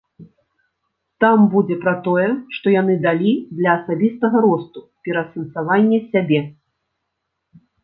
Там будзе пра тое, што яны далі для асабістага росту, пераасэнсавання сябе.